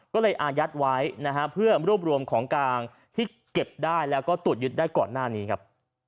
ก็เลยอายัดไว้นะฮะเพื่อรวบรวมของกลางที่เก็บได้แล้วก็ตรวจยึดได้ก่อนหน้านี้ครับ